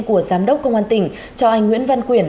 của giám đốc công an tỉnh cho anh nguyễn văn quyển